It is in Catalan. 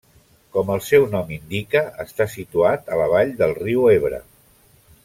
Com el seu nom indica està situat a la vall del riu Ebre.